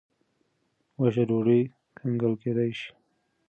وچه ډوډۍ کنګل کېدای شي.